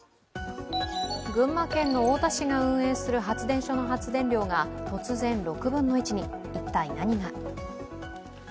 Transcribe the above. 群馬県の太田市が運営する発電所の発電量が突然６分の１に、一体何が。